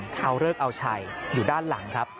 เขาเลิกเอาชัยอยู่ด้านหลังครับ